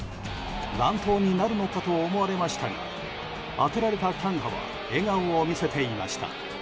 乱闘になるのかと思われましたが当てられたキャンハは笑顔を見せていました。